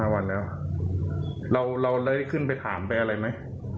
๔๕วันแล้วเราเลยขึ้นไปถามอะไรไม่